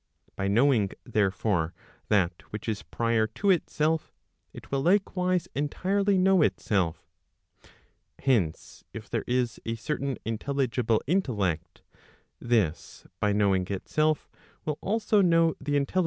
By knowing, therefore, that which is prior to itself, it will likewise entirely know itself. Hence, if there is a certain intelligible intellect, this by knowing itself, will also know the intelligible, 1 Instead of vorjjov t<rn.